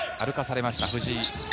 歩かされました、藤井。